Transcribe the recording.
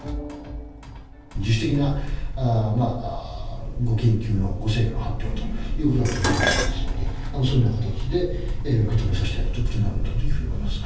自主的なご研究の、ご成果の発表だということだと思いますので、そのような形で受け止めさせていただくということになるんだろうと思います。